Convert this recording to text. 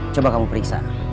coba kamu periksa